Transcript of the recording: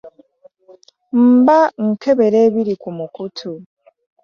Mba nkebera ebiri ku mukutu,.